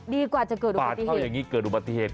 ดีกว่าจะเกิดอุบัติเหตุเข้าอย่างนี้เกิดอุบัติเหตุ